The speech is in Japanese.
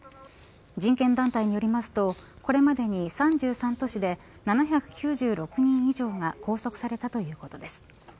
人権団体によりますとこれまでに３３都市で７９６人以上が拘束されたということです。